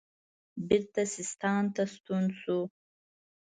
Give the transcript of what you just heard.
بیرته سیستان ته ستون شو.